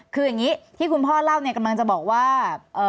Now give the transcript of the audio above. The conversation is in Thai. คืออย่างนี้ที่คุณพ่อเล่าเนี่ยกำลังจะบอกว่า